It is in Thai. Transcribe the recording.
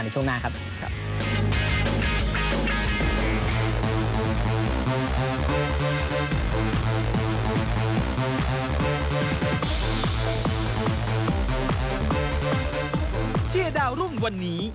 เชียร์ดาวรุ่งวันนี้